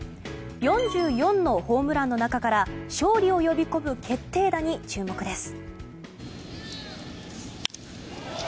４４のホームランの中から勝利を呼び込む決定打に注目です。